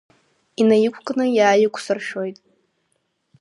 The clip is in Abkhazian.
Инаиқәкны иааиқәсыршәоит.